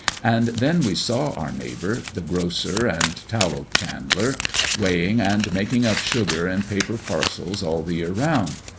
And then we saw our neighbour, the grocer and tallow chandler, weighing and making up sugar in paper parcels all the year round.